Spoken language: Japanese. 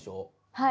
はい。